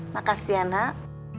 makasih ya nak